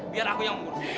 biar aku yang mengurus